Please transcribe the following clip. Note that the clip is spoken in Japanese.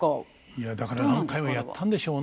いやだから何回もやったんでしょうね。